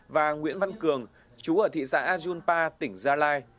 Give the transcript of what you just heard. và nguyễn văn cường chú ở thị xã a dung pa tỉnh gia lai